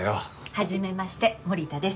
初めまして森田です。